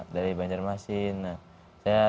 dari banjarmasin nah saya